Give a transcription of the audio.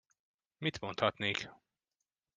Mit mondhatnék?